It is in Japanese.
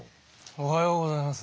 おはようございます。